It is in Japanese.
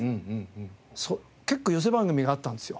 結構寄席番組があったんですよ。